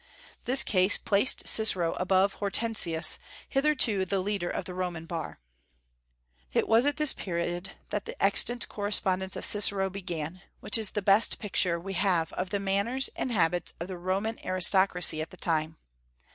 This case placed Cicero above Hortensius, hitherto the leader of the Roman bar. It was at this period that the extant correspondence of Cicero began, which is the best picture we have of the manners and habits of the Roman aristocracy at the time.